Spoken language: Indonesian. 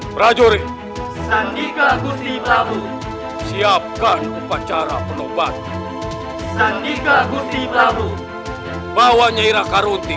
prajurit sandika gusti prabu siapkan upacara penobat sandika gusti prabu bahwa nyairah karunti